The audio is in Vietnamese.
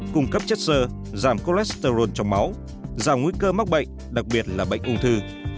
cung cấp chất sơ giảm cholesterol trong máu giảm nguy cơ mắc bệnh đặc biệt là bệnh ung thư